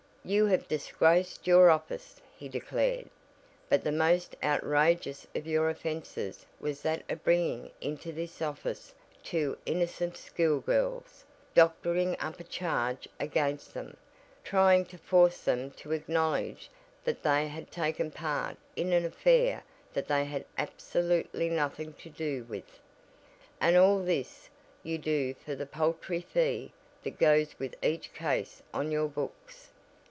"You have disgraced your office," he declared, "but the most outrageous of your offenses was that of bringing into this office two innocent schoolgirls doctoring up a charge against them, trying to force them to acknowledge they had taken part in an affair that they had absolutely nothing to do with and all this you did for the paltry fee that goes with each case on your books.